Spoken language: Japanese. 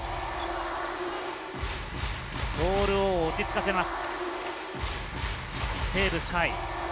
ボールを落ち着かせます。